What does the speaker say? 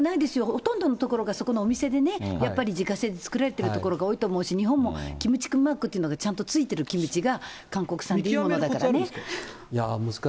ほとんどの所がそこのお店でね、やっぱり自家製で作られているところが多いと思うし、日本もキムチくんマークというのがついているのが韓国産だからね。